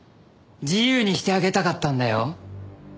自由にしてあげたかったんだよ。